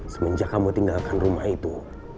semenjak kamu tinggalkan rumah itu